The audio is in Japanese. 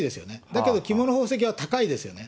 だけど、着物、宝石は高いですよね。